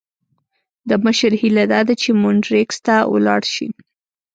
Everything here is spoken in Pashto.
د مشر هیله داده چې مونټریکس ته ولاړ شي.